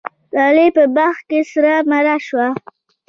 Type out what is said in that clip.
لیلی په باغ کي سره مڼه شوه